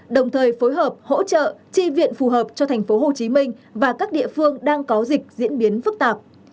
đồng thời phối hợp hỗ trợ tri viện phù hợp cho thành phố hồ chí minh và các địa phương đang có dịch diễn biến phức tạp